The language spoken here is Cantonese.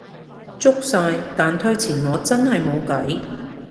足晒，但推遲我真係無計